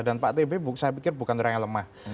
dan pak tb saya pikir bukan orang yang lemah